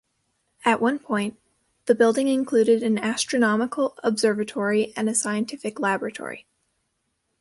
At one point, the building included an astronomical observatory and a scientific laboratory.